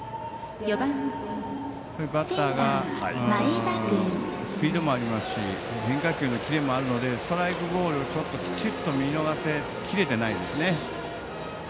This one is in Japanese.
バッターがスピードもありますし変化球のキレもあるのでストライクボールをちょっときちっと見逃せきれていないですね。